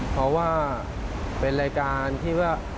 เพราะว่าเป็นรายการที่ว่า